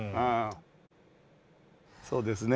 そうですね